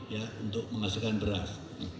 ya untuk menghasilkan beras